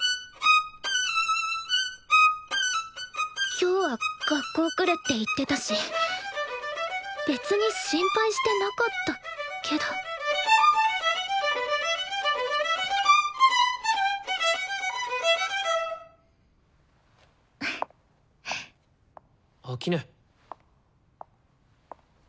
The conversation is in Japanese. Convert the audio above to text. ・今日は学校来るって言ってたし別に心配してなかったけど秋音。